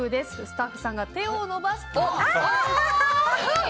スタッフさんが手を伸ばすと。